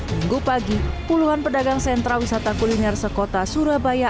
minggu pagi puluhan pedagang sentra wisata kuliner sekota surabaya